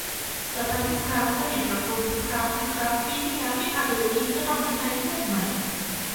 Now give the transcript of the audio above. แต่ไปทุกครั้งก็เห็นปรับปรุงทุกครั้งนะครับ ปีที่แล้วพิคาดิลลีก็ทำบันไดเลื่อนใหม่